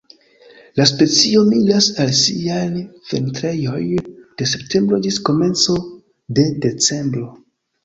La specio migras al siaj vintrejoj de septembro ĝis komenco de decembro.